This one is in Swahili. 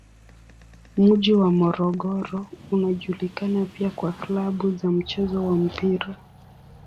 Mji wa Morogoro unajulikana pia kwa klabu za mchezo wa mpira.